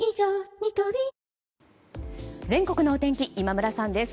ニトリ全国のお天気今村さんです。